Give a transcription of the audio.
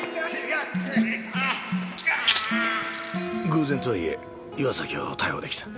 偶然とはいえ岩崎を逮捕できた。